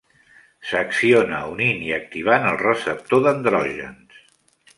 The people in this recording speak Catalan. S'acciona unint i activant el receptor d'andrògens.